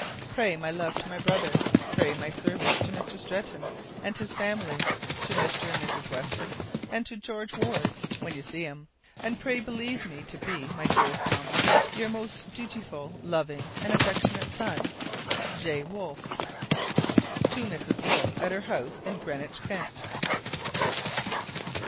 Pray my love to my brother. Pray my service to Mr Streton and his family, to Mr and Mrs Weston, and to George Warde when you see him; and pray believe me to be, my dearest Mamma, your most dutiful, loving and affectionate son, J. Wolfe. To Mrs. Wolfe, at her house in Greenwich, Kent.